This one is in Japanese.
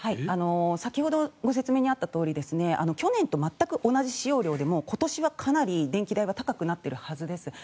先ほどご説明にあったとおり去年と全く同じ使用量でも今年はかなり電気代は高くなっているはずです。